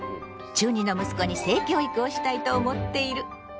中２の息子に性教育をしたいと思っている。